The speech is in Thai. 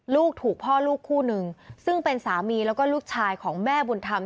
ลูกถูกพ่อลูกคู่หนึ่งซึ่งเป็นสามีแล้วก็ลูกชายของแม่บุญธรรม